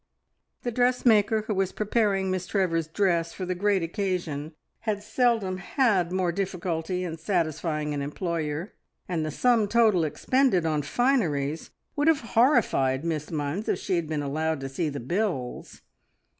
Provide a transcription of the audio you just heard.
The dressmaker who was preparing Miss Trevor's dress for the great occasion had seldom had more difficulty in satisfying an employer, and the sum total expended on fineries would have horrified Miss Munns if she had been allowed to see the bills.